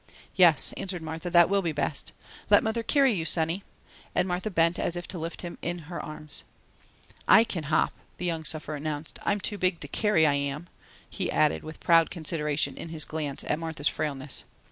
"Yes," answered Martha, "that will be best. Let mother carry you, sonny!" and Martha bent as if to lift him in her arms. "I kin hop," the young sufferer announced. "I'm too big to carry, I am," he added with proud consideration in his glance at Martha's frailness.